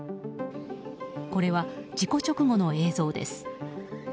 これは、事故直後の映像です。